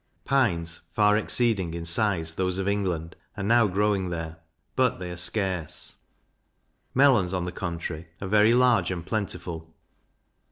Pines, far exceeding in size those of England, are now growing there, but they are scarce; melons, on the contrary, are very large and plentiful.